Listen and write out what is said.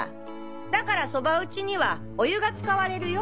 だからそば打ちにはお湯が使われるよ。